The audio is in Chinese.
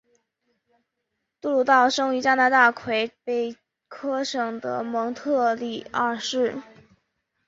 杜鲁道生于加拿大魁北克省的蒙特利尔市。